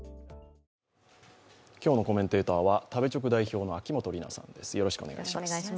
今日のコメンテーターは食べチョク代表の秋元里奈さんです。